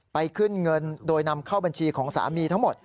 ขึ้นเงินโดยนำเข้าบัญชีของสามีทั้งหมด